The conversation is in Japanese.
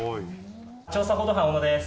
調査報道班の小野です。